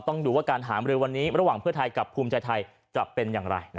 ต้องดูว่าการหามรือวันนี้ระหว่างเพื่อไทยกับภูมิใจไทยจะเป็นอย่างไร